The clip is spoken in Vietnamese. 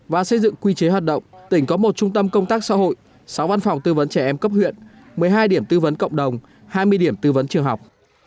và xây dựng quy chế hoạt động tỉnh có một trung tâm công tác xã hội sáu văn phòng tư vấn trẻ em cấp huyện một mươi hai điểm tư vấn cộng đồng hai mươi điểm tư vấn trường học